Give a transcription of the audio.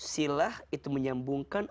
silah itu menyambungkan